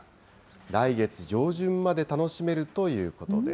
来月上旬まで楽しめるということです。